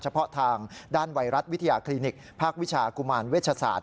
เฉพาะทางด้านไวรัสวิทยาคลินิกภาควิชากุมารเวชศาสต